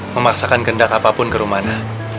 memaksakan kendak apapun ke rumana